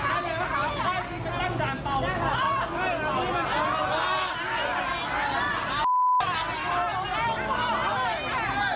เอาแล้วเอาละมาเอาละมะ